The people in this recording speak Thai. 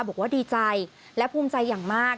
บอกว่าดีใจและภูมิใจอย่างมาก